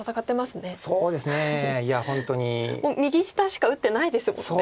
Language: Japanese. もう右下しか打ってないですもんね。